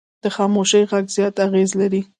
د خاموشي غږ زیات اغېز لري